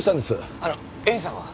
あの絵里さんは？